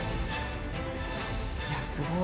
いやすごい。